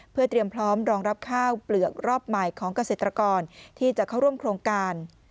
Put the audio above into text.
เพื่อเตรียมพร้อมรองรับข้าวเปลือกรอบใหม่ของเกษตรกรที่จะเข้าร่วมโครงการ